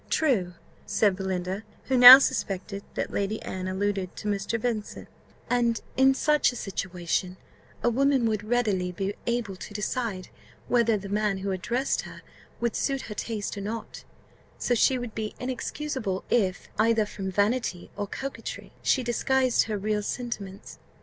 "True," said Belinda (who now suspected that Lady Anne alluded to Mr. Vincent); "and in such a situation a woman would readily be able to decide whether the man who addressed her would suit her taste or not; so she would be inexcusable if, either from vanity or coquetry, she disguised her real sentiments."